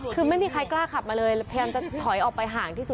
คือไม่มีใครกล้าขับมาเลยพยายามจะถอยออกไปห่างที่สุด